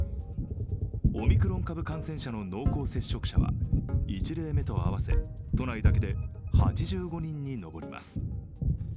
オミクロン株感染者の濃厚接触者は１例目と合わせ、都内だけで８５人に上ります。